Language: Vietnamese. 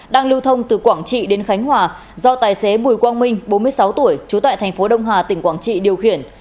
đang lưu thông từ quảng trị đến khánh hòa do tài xế mùi quang minh bốn mươi sáu tuổi trú tại tp đông hà tỉnh quảng trị điều khiển